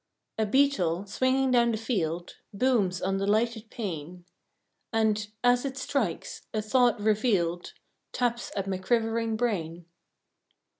A beetle, swinging down the field, Booms on the lighted pane; And, as it strikes, a thought revealed Taps at my quivering brain.